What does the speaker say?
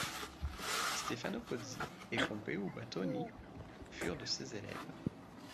Stefano Pozzi et Pompeo Batoni furent de ses élèves.